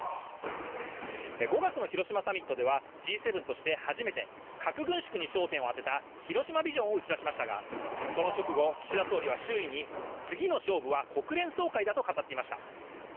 ５月の広島サミットではＧ７として初めて核軍縮に焦点を当てた広島ビジョンを打ち出しましたがその直後岸田総理は周囲に次の勝負は国連総会だと語っていました